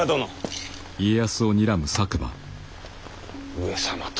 上様と。